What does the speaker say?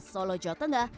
solo jawa tengah